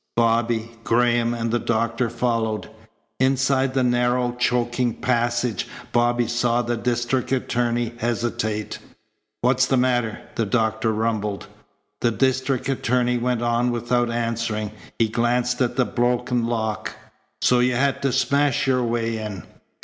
Bobby, Graham, and the doctor followed. Inside the narrow, choking passage Bobby saw the district attorney hesitate. "What's the matter?" the doctor rumbled. The district attorney went on without answering. He glanced at the broken lock. "So you had to smash your way in?"